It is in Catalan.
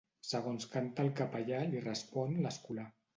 Segons canta el capellà li respon l'escolà.